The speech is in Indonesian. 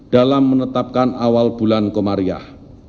dalam menetapkan awal bulan komariah